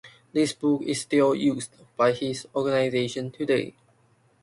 This book is still used by his organization today.